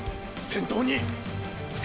先頭に！！